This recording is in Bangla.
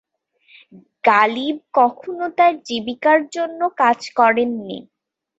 গালিব কখনো তার জীবিকার জন্য কাজ করেননি।